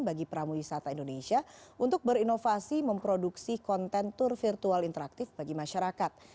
bagi pramu wisata indonesia untuk berinovasi memproduksi kontentur virtual interaktif bagi masyarakat